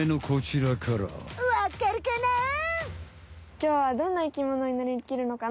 きょうはどんな生きものになりきるのかな？